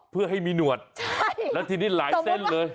เพื่อให้มีหนวดแล้วทีนี้หลายเส้นเลย